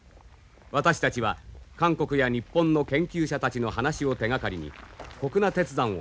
私たちは韓国や日本の研究者たちの話を手がかりに谷那鉄山を探した。